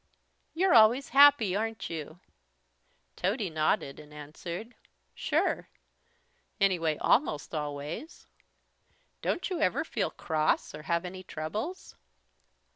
"You're always happy, aren't you?" Tody nodded and answered: "Sure anyway almost always." "Don't you ever feel cross or have any troubles?"